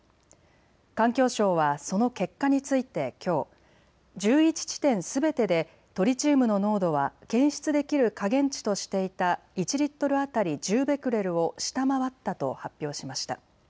環境省はその結果についてきょう、１１地点すべてでトリチウムの濃度は検出できる下限値としていた１リットル当たり１０ベクレルを下回ったと発表しました。